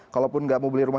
kalau pun nggak mau beli rumah